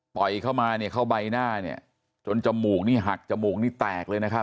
ยเข้ามาเนี่ยเข้าใบหน้าเนี่ยจนจมูกนี่หักจมูกนี่แตกเลยนะครับ